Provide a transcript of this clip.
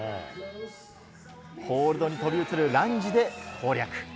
ホールドに飛び移るランジで攻略。